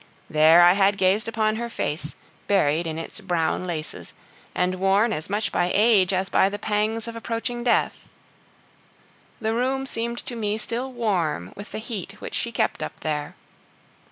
There I had gazed upon her face, buried in its brown laces, and worn as much by age as by the pangs of approaching death. The room seemed to me still warm with the heat which she kept up there.